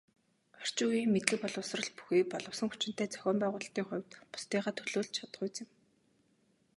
Орчин үеийн мэдлэг боловсрол бүхий боловсон хүчинтэй, зохион байгуулалтын хувьд бусдыгаа төлөөлж чадахуйц юм.